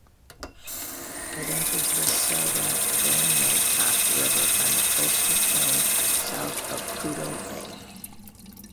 It enters the Sagavanirktok River on the coastal plain south of Prudhoe Bay.